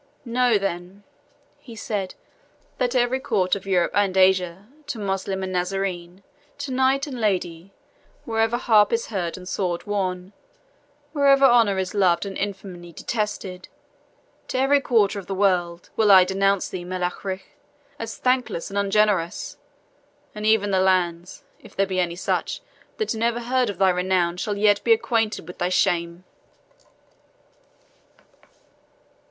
"Know, then," he said, "that: through every court of Europe and Asia to Moslem and Nazarene to knight and lady wherever harp is heard and sword worn wherever honour is loved and infamy detested to every quarter of the world will I denounce thee, Melech Ric, as thankless and ungenerous; and even the lands if there be any such that never heard of thy renown shall yet be acquainted with thy shame!"